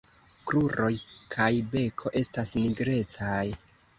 Kruroj kaj beko estas nigrecaj.